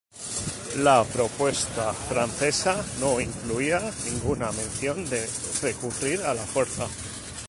La propuesta francesa no incluía ninguna mención de recurrir a la fuerza.